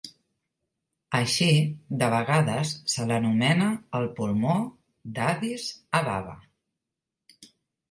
Així, de vegades se l'anomena "el pulmó d'Addis Ababa".